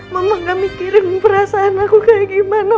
mama gak mikirin perasaan aku kayak gimana